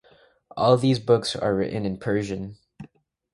All these books are written in Persian.